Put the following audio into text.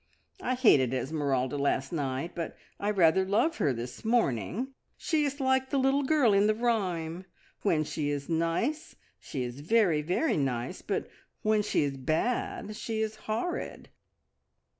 "I hated Esmeralda last night, but I rather love her this morning. She is like the little girl in the rhyme when she is nice she is very, very nice; but when she is bad she is horrid!"